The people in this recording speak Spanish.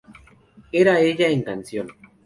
Era ella en canción.